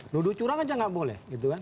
nuduh curang aja nggak boleh